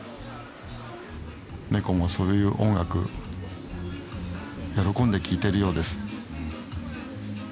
ネコもそういう音楽喜んで聴いているようです。